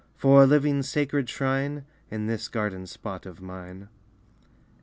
For a living sacred shrine In this garden spot of mine.